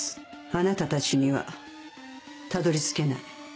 あなたたちにはたどり着けない。